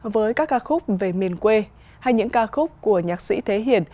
hay những ca khúc về miền quê hay những ca khúc của nhạc sĩ thế hiển